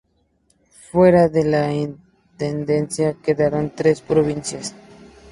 Fuera de las intendencias quedaron tres provincias.